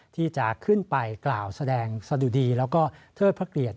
ที่จะขึ้นไปกล่าวแสดงสะดุดีแล้วก็เทิดพระเกียรติ